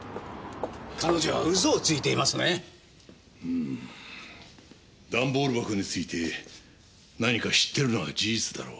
うん段ボール箱について何か知ってるのは事実だろう。